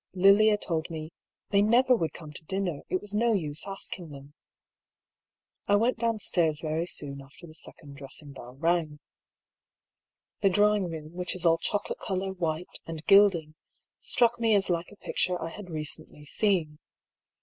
Lilia told me " they never would come to din ner ; it was no use asking them." I went downstairs very soon after the second dress ing bell rang. The drawing room, which is all choco late colour, white, and gilding, struck me as like a picture I had recently seen.